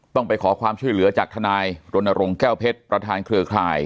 ต้องไปขอความช่วยเหลือจากทนายรณรงค์แก้วเพชรประธานเครือข่าย